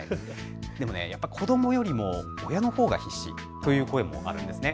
やっぱり子どもよりも親のほうが必死という声もあるんです。